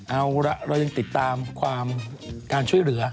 เอาละเรายังติดตามความการช่วยเหลือ